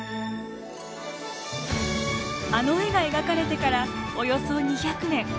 あの絵が描かれてからおよそ２００年。